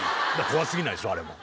怖過ぎないでしょあれも。